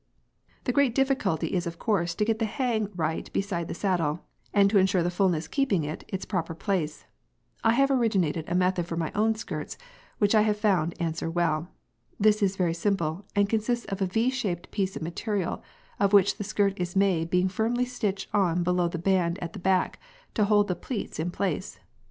p> The great difficulty is of course to get the"hang" right beside the saddle, and to ensure the fulness keeping it its proper place, I have originated a method for my own skirts which I have found answer well. This is very simple, and consists of a V shaped piece of the material of which the skirt is made being firmly stitched on below the band at the back, to hold the pleats in place.